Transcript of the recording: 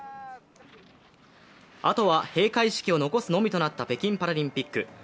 あとは閉会式を残すのみとなった北京パラリンピック。